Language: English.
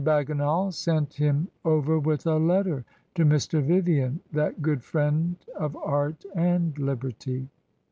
Bagginal sent him over with a letter to Mr. Vivian, that good friend of art and liberty.